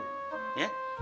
abang gak setuju